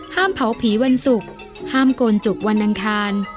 เผาผีวันศุกร์ห้ามโกนจุกวันอังคาร